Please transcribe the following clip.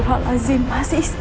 mas jangan mas